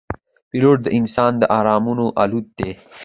پیلوټ د انسان د ارمانونو الوت دی.